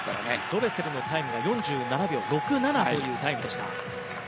ドレセルは４７秒６７というタイムでした。